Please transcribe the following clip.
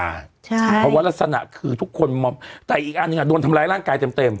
เพราะว่ารักษณะคือทุกคนมอมแต่อีกอันหนึ่งอ่ะโดนทำร้ายร่างกายเต็มเต็ม